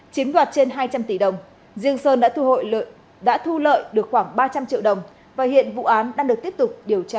chiếm đoạt trên hai trăm linh tỷ đồng riêng sơn đã thu lợi được khoảng ba trăm linh triệu đồng và hiện vụ án đang được tiếp tục điều tra